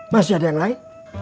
masih ada yang lain